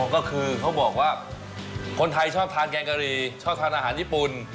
ก็คือเขาบอกว่าคนไทยชอบทานแกงกะหรี่ชอบทานอาหารญี่ปุ่น